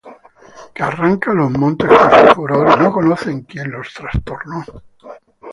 Que arranca los montes con su furor, Y no conocen quién los trastornó: